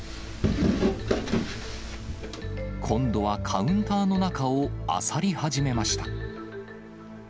今度はカウンターの中をあさり始めました。